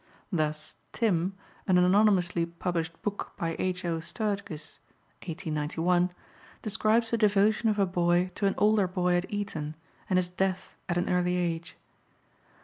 Thus Tim, an anonymously published book by H.O. Sturgis (1891), described the devotion of a boy to an older boy at Eton and his death at an early age.